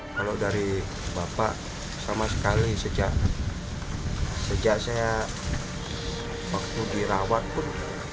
kalau dari bapak sama sekali sejak saya waktu dirawat pun